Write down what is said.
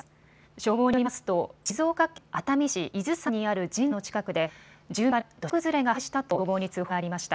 消防によりますと静岡県熱海市伊豆山にある神社の近くで住民から土砂崩れが発生したと消防に通報がありました。